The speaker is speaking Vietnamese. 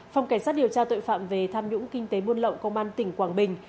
phòng cảnh sát điều tra tội phạm về tham nhũng kinh tế muôn lộng công an tỉnh quảng bình